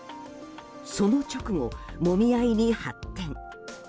その直後、もみ合いに発展。